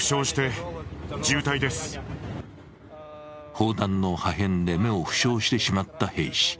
砲弾の破片で目を負傷してしまった兵士。